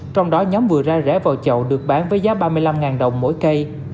trong đó nhóm vừa ra rẽ vào chậu được bán với giá ba mươi năm đồng mỗi cây